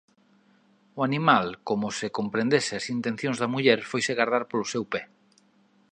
O animal, coma se comprendese as intencións da muller, foise gardar polo seu pé.